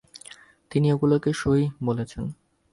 তিনি এগুলোকে সহিহ বলেছেন।